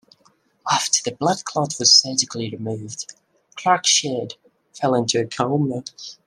After the blood clot was surgically removed, Clark-Sheard fell into a coma.